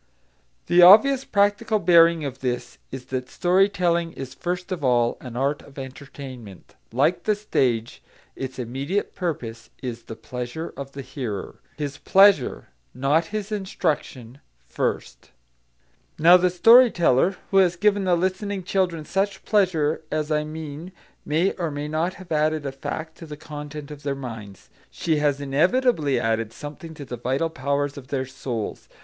The obvious practical bearing of this is that story telling is first of all an art of entertainment; like the stage, its immediate purpose is the pleasure of the hearer, his pleasure, not his instruction, first. Now the story teller who has given the listening children such pleasure as I mean may or may not have added a fact to the content of their minds; she has inevitably added something to the vital powers of their souls.